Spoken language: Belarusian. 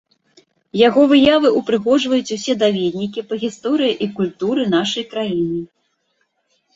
Яго выявы ўпрыгожваюць усе даведнікі па гісторыі і культуры нашай краіны.